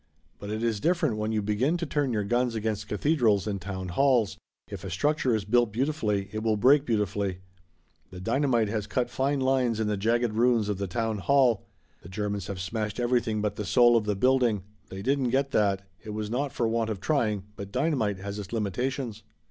But it is different when you begin to turn your guns against cathedrals and town halls. If a structure is built beautifully it will break beautifully. The dynamite has cut fine lines in the jagged ruins of the Town Hall. The Germans have smashed everything but the soul of the building. They didn't get that. It was not for want of trying, but dynamite has its limitations.